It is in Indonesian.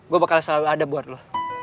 gue bakal selalu ada buat lo